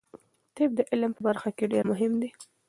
طب د علم په برخه کې ډیر مهم دی.